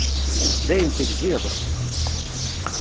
Dayen tegziḍ?